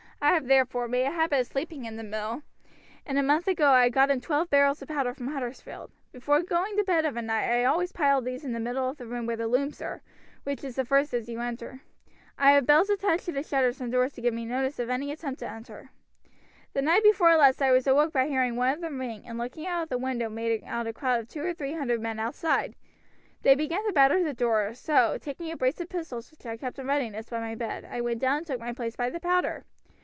I have, therefore, made a habit of sleeping in the mill, and a month ago I got in twelve barrels of powder from Huddersfield. Before going to bed of a night I always pile these in the middle of the room where the looms are, which is the first as you enter. I have bells attached to the shutters and doors to give me notice of any attempt to enter. The night before last I was awoke by hearing one of them ring, and looking out of the window made out a crowd of two or three hundred men outside. They began to batter the door, so, taking a brace of pistols which I keep in readiness by my bed, I went down and took my place by the powder.